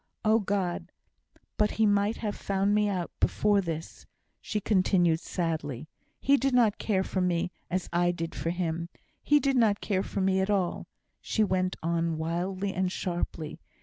"Oh, God! but he might have found me out before this," she continued, sadly. "He did not care for me, as I did for him. He did not care for me at all," she went on wildly and sharply.